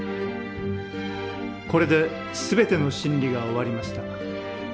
これで全ての審理が終わりました。